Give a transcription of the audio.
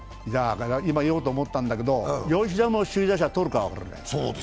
今言おうと思ったんだけど吉田も首位打者とるかも分からない。